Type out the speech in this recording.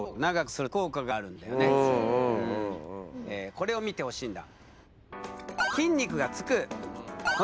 これを見てほしいんだ。